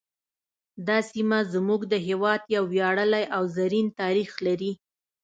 دا سیمه زموږ د هیواد یو ویاړلی او زرین تاریخ لري